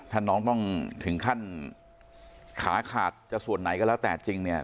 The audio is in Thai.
ถ้าน้องต้องถึงขั้นขาขาดจะส่วนไหนก็แล้วแต่จริงเนี่ย